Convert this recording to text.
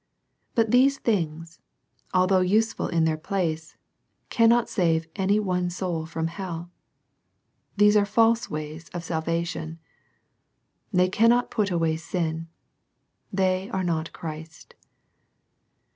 But these things, although useful in their place, cannot save any one soul from hell. These are false ways of salvation. They cannot put away sin. They are not Christ.